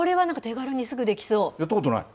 やったことない？